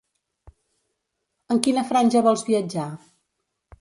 En quina franja vols viatjar?